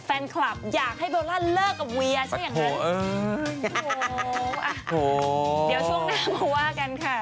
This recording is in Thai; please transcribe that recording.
แฟนคลับอยากให้เบลล่าเลิกกับเวียใช่ไหมอย่างนั้น